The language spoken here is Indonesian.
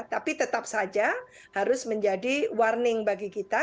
tapi tetap saja harus menjadi warning bagi kita